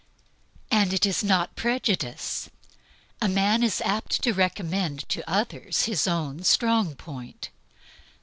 And it is not prejudice. A man is apt to recommend to others his own strong point.